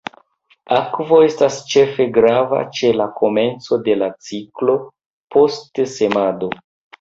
Akvo estas ĉefe grava ĉe la komenco de la ciklo, post semado.